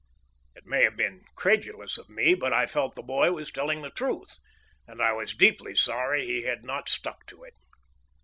It may have been credulous of me, but I felt the boy was telling the truth, and I was deeply sorry he had not stuck to it.